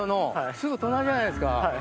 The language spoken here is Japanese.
すぐ隣じゃないですか。